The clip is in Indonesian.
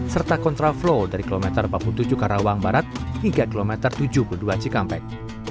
serta kontraflow dari kilometer empat puluh tujuh karawang barat hingga kilometer tujuh puluh dua cikampek